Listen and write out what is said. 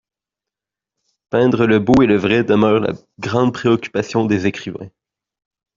Peindre le beau et le vrai demeure la grande préoccupation des écrivains.